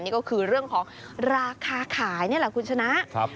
นี่ก็คือเรื่องของราคาขายนี่แหละคุณชนะ